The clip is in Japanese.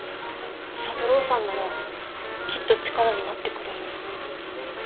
三郎さんならきっと力になってくれる。